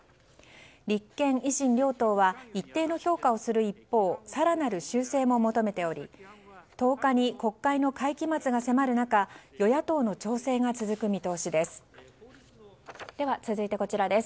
立憲・維新両党は一定の評価をする一方更なる修正も求めており１０日に国会の会期末が迫る中故障？